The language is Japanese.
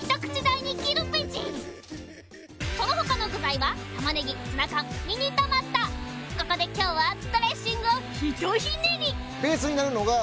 そのほかの具材はここで今日はドレッシングをひとひねり